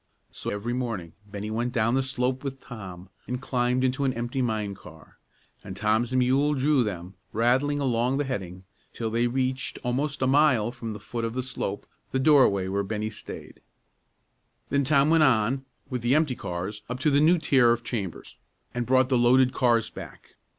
So every morning Bennie went down the slope with Tom, and climbed into an empty mine car, and Tom's mule drew them, rattling along the heading, till they reached, almost a mile from the foot of the slope, the doorway where Bennie staid. Then Tom went on, with the empty cars, up to the new tier of chambers, and brought the loaded cars back.